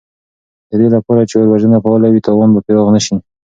د دې لپاره چې اور وژنه فعاله وي، تاوان به پراخ نه شي.